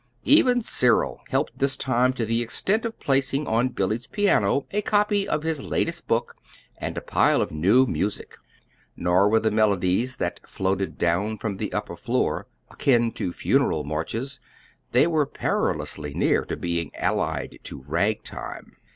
Even Cyril helped this time to the extent of placing on Billy's piano a copy of his latest book, and a pile of new music. Nor were the melodies that floated down from the upper floor akin to funeral marches; they were perilously near to being allied to "ragtime."